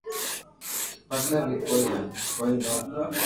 پسي بو ڪوئي ھل ڪوئي نوڪرو